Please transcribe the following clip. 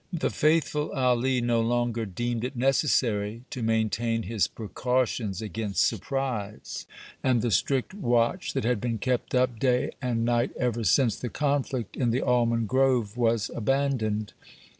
The faithful Ali no longer deemed it necessary to maintain his precautions against surprise, and the strict watch that had been kept up day and night ever since the conflict in the almond grove was abandoned.